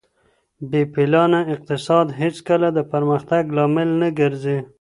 بې پلانه اقتصاد هېڅکله د پرمختګ لامل نه ګرځي.